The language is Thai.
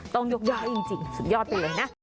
ต้องยกย่อยจริงสุดยอดไปเลยนะ